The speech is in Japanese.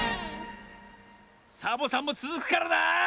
サボさんもつづくからな！